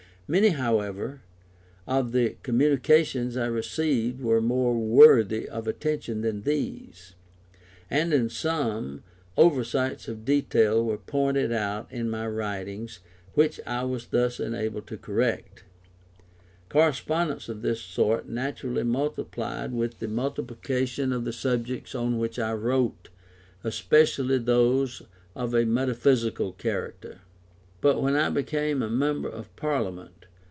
Many, however, of the communications I received were more worthy of attention than these, and in some, oversights of detail were pointed out in my writings, which I was thus enabled to correct. Correspondence of this sort naturally multiplied with the multiplication of the subjects on which I wrote, especially those of a metaphysical character. But when I became a member of Parliament.